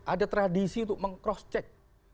ada tradisi untuk meng cross check